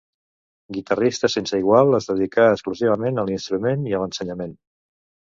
Guitarrista sense igual, es dedicà exclusivament a l'instrument i a l'ensenyament.